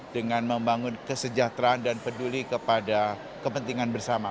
dengan membangun kesejahteraan dan peduli kepada kepentingan bersama